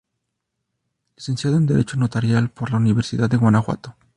Licenciado en Derecho Notarial por la Universidad de Guanajuato.